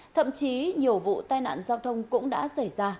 thậm chí nhiều vụ tai nạn giao thông cũng đã xảy ra